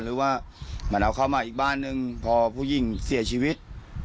หรือว่ามันเอาเข้ามาอีกบ้านนึงพอผู้หญิงเสียชีวิต